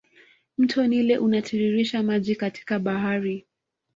Mto nile unatiririsha maji katika bahari